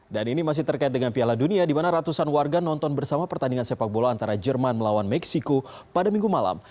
ini masih terkait dengan piala dunia di mana ratusan warga nonton bersama pertandingan sepak bola antara jerman melawan meksiko pada minggu malam